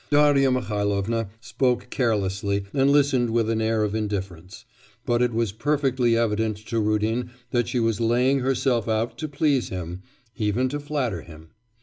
Darya Mihailovna spoke carelessly and listened with an air of indifference; but it was perfectly evident to Rudin that she was laying herself out to please him, even to flatter him.